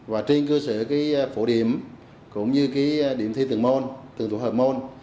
và trên cơ sở cái phổ điểm cũng như cái điểm thi từng môn từng tổ hợp môn